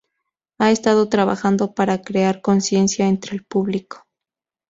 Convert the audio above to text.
ha estado trabajando para crear conciencia entre el público